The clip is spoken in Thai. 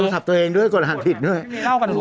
กดรหัสตัวเองด้วยกดรหัสผิดด้วย